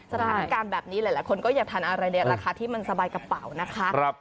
สถานการณ์แบบนี้หลายคนก็อยากทานอะไรในราคาที่มันสบายกระเป๋านะคะ